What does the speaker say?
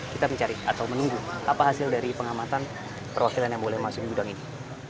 kita mencari atau menunggu apa hasil dari pengamatan perwakilan yang boleh masuk di gudang ini